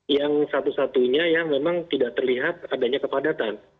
yang satu satunya yang memang tidak terlihat adanya kepadatan